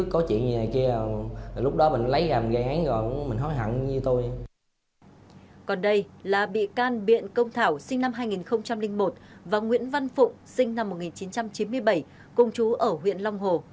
còn đây là bị can biện công thảo sinh năm hai nghìn một và nguyễn văn phụng sinh năm một nghìn chín trăm chín mươi bảy cùng chú ở huyện long hồ